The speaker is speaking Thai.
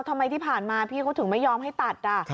ทำไมที่ผ่านมาพี่เขาถึงไม่ยอมให้ตัด